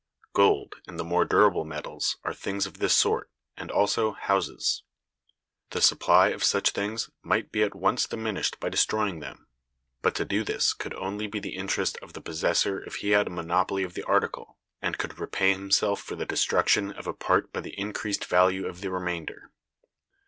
Gold and the more durable metals are things of this sort, and also houses. The supply of such things might be at once diminished by destroying them; but to do this could only be the interest of the possessor if he had a monopoly of the article, and could repay himself for the destruction of a part by the increased value of the remainder.